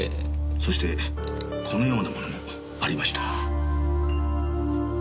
そしてこのようなものもありました。